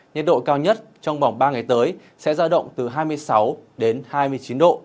nhiệt độ cao nhất trong vòng ba ngày tới sẽ ra động từ hai mươi sáu đến hai mươi chín độ